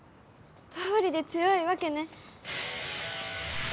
どうりで強いわけね。